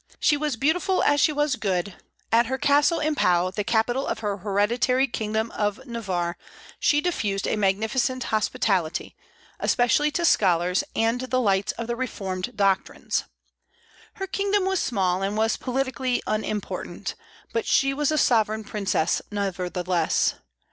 She was as beautiful as she was good; at her castle in Pau, the capital of her hereditary kingdom of Navarre, she diffused a magnificent hospitality, especially to scholars and the lights of the reformed doctrines. Her kingdom was small, and was politically unimportant; but she was a sovereign princess nevertheless.